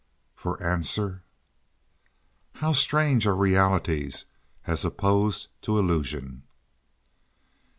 For answer— How strange are realities as opposed to illusion!